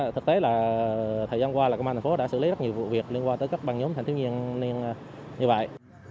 thực tế là thời gian qua là công an thành phố đã xử lý rất nhiều vụ việc liên quan tới các băng nhóm thanh thiếu niên như vậy